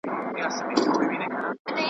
په ځالۍ کي یې ساتمه نازومه .